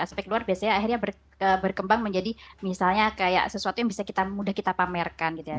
aspek luar biasanya akhirnya berkembang menjadi misalnya kayak sesuatu yang bisa kita mudah kita pamerkan gitu ya